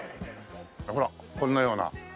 ほらこんなような。